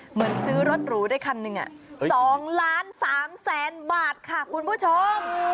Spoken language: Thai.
เหมือนซื้อรถหรูได้คันหนึ่ง๒ล้าน๓แสนบาทค่ะคุณผู้ชม